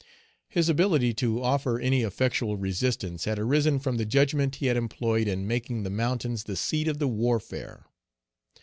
His ability to offer any effectual resistance had arisen from the judgment he had employed in making the mountains the seat of the warfare.